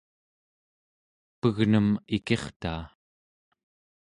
pegnem ikirtaa